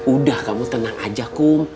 udah kamu tenang aja kum